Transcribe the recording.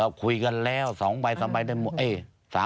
เราคุยกันแล้ว๒ใบ๓ใบได้หมด